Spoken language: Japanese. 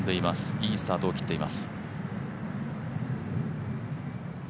いいスタートを切っています。